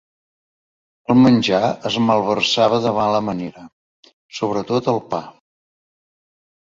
El menjar es malversava de mala manera, sobretot el pa.